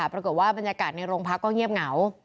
หรือเกิดว่าบรรยากาศในโรงพักษณ์ก็เงียบเหงา